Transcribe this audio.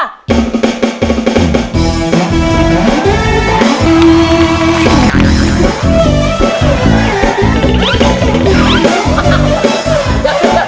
สวัสดีค่ะ